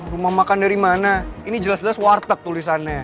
rumah makan dari mana ini jelas jelas warteg tulisannya